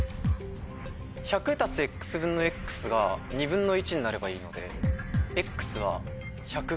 で１００＋分のが２分の１になればいいので。